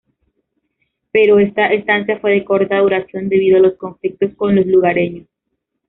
Pero esta estancia fue de corta duración debido a conflictos con los lugareños.